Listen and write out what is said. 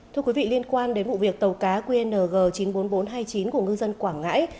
thưa quý vị liên quan đến vụ việc tàu cá qng chín mươi bốn nghìn bốn trăm hai mươi chín của ngư dân quảng ngãi